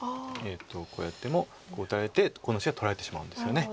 こうやってもこう打たれてこの石は取られてしまうんですよね。